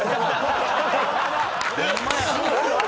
ホンマや。